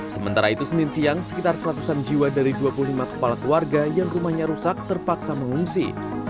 sementara itu senin siang sekitar seratusan jiwa dari dua puluh lima kepala keluarga yang rumahnya rusak terpaksa mengungsi